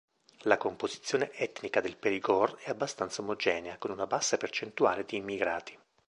La composizione etnica del Périgord è abbastanza omogenea, con una bassa percentuale di immigrati.